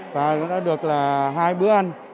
và đã được hai bữa ăn